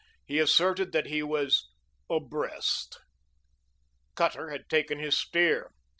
He asserted that he was "obbressed;" Cutter had taken his steer.